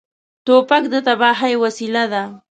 توپک د تباهۍ وسیله ده.